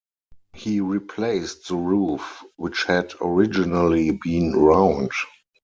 He replaced the roof which had originally been round.